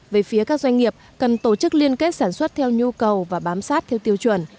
về phía các doanh nghiệp cần tổ chức liên kết sản xuất theo nhu cầu và bám sát theo tiêu chuẩn